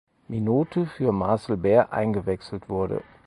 Minute für Marcel Bär eingewechselt wurde.